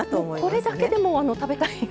これだけでも食べたい。